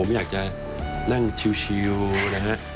ผมอยากจะนั่งชิวนะฮะ